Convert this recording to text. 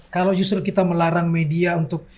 kalau justru kita melarang media untuk